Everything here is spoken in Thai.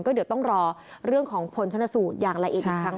เดี๋ยวต้องรอเรื่องของผลชนสูตรอย่างละเอียดอีกครั้ง